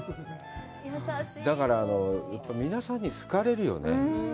だから、皆さんに好かれるよね。